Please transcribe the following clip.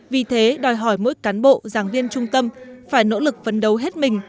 vì thế đòi hỏi mỗi cán bộ giảng viên trung tâm phải nỗ lực vấn đấu hết mình